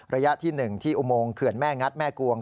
ระยะที่๑ที่อุโมงเขื่อนแม่งัดแม่กวง